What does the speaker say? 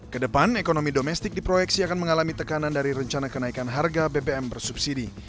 kedepan ekonomi domestik diproyeksi akan mengalami tekanan dari rencana kenaikan harga bbm bersubsidi